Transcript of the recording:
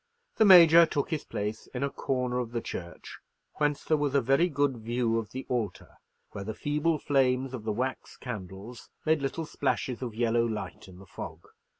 The Major took his place in a corner of the church whence there was a very good view of the altar, where the feeble flames of the wax candles made little splashes of yellow light in the fog.